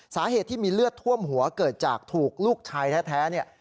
สาเหตุที่มีเลือดท่วมหัวเกิดจากถูกลูกชายแท้เนี่ย